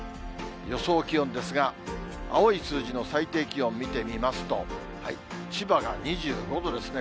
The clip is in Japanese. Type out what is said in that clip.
予想気温ですが、青い数字の最低気温見てみますと、千葉が２５度ですね。